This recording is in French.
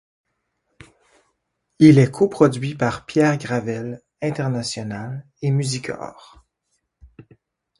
Il est co-produit par Pierre Gravel international et Musicor.